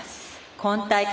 今大会